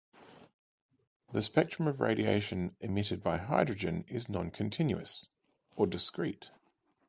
The spectrum of radiation emitted by hydrogen is non-continuous or discrete.